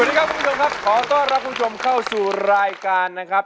สวัสดีครับคุณผู้ชมครับขอต้อนรับคุณผู้ชมเข้าสู่รายการนะครับ